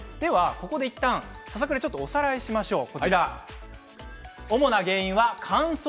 ここでいったん、ささくれをおさらいしてみましょう。